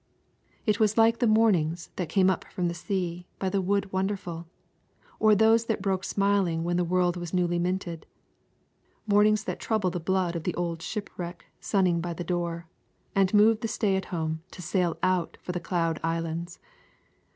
It was like the mornings that came up from the sea by the Wood Wonderful, or those that broke smiling when the world was newly minted, mornings that trouble the blood of the old shipwreck sunning by the door, and move the stay at home to sail out for the Cloud Islands.